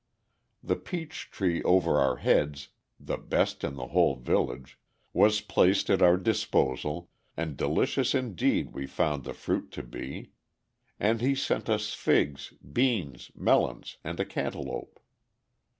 The peach tree over our heads the best in the whole village was placed at our disposal, and delicious indeed we found the fruit to be, and he sent us figs, beans, melons, and a canteloupe.